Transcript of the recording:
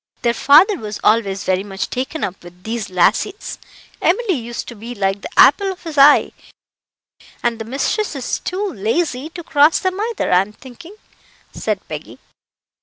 "Their father was always very much taken up with these lassies Emily used to be like the apple of his eye; and the mistress is too lazy to cross them either, I'm thinking," said Peggy.